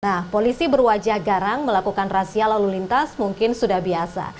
nah polisi berwajah garang melakukan razia lalu lintas mungkin sudah biasa